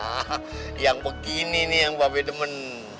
hah yang begini nih yang bapak bikin temen